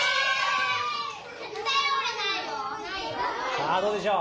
さあどうでしょう。